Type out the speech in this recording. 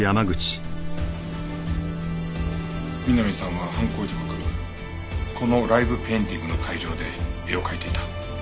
美波さんは犯行時刻このライブペインティングの会場で絵を描いていた。